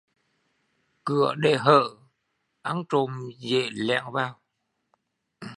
Cửa để hỏ, ăn trộm dễ lẻn vào